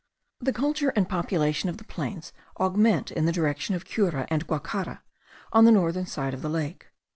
The culture and population of the plains augment in the direction of Cura and Guacara, on the northern side of the lake.